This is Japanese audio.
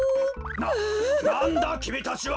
ななんだきみたちは！？